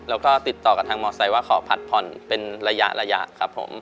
แล้วก็ติดต่อกับทางมอไซค์ว่าขอผัดผ่อนเป็นระยะระยะครับผม